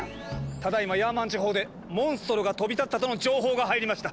ただいまヤーマン地方でモンストロが飛び立ったとの情報が入りました。